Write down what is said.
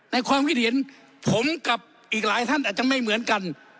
ความคิดเห็นผมกับอีกหลายท่านอาจจะไม่เหมือนกัน